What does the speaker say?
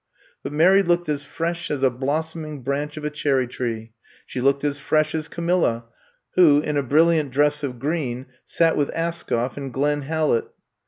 But Mary looked as fresh as a blossoming branch of a cherry tree, she looked as fresh as Ca milla, who, in a brilliant dress of green, fiat with Askoff and Glenn Hallet.